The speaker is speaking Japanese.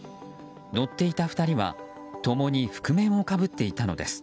乗っていた２人は共に覆面をかぶっていたのです。